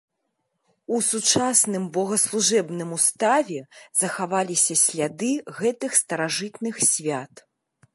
У сучасным богаслужэбным уставе захаваліся сляды гэтых старажытных свят.